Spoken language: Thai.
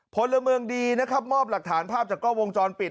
พลเมืองดีนะครับมอบหลักฐานภาพจากกล้องวงจรปิด